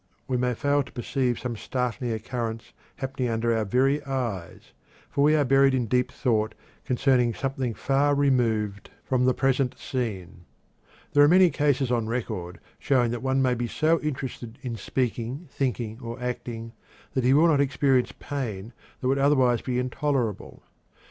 We may fail to perceive some startling occurrence happening under our very eyes, for we are buried in deep thought concerning something far removed from the present scene. There are many cases on record showing that one may be so interested in speaking, thinking, or acting that he will not experience pain that would otherwise be intolerable.